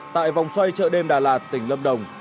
tại vòng xoay chợ đêm đà lạt tỉnh lâm đồng